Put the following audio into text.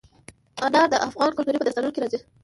انار د افغان کلتور په داستانونو کې راځي.